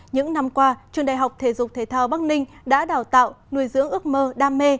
những năm qua trường đại học thể dục thể thao bắc ninh đã đào tạo nuôi dưỡng ước mơ đam mê